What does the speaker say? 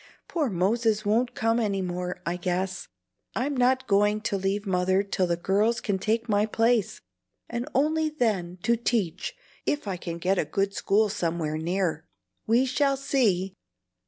Poor Moses won't come any more, I guess. I'm not going to leave Mother till the girls can take my place, and only then to teach, if I can get a good school somewhere near." "We shall see!"